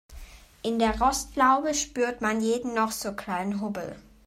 In der Rostlaube spürt man jeden noch so kleinen Hubbel.